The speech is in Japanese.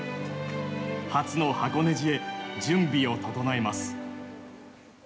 初の箱根路へ準備を整えます。